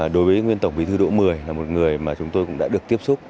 đối với nguyên tổng bỉ thứ đổ mươi là một người mà chúng tôi cũng đã được tiếp xúc